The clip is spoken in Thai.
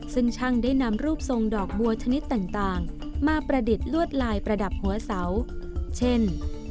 ซึ่งช่างได้นำรูปทรงดอกบัวชนิดต่างมาประดิษฐ์ลวดลายประดับหัวเสาเช่น